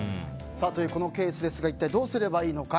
このケースですが一体どうすればいいのか。